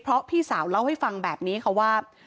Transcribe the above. เพราะพี่สาวเล่าให้ฟังแบบนี้ค่ะว่า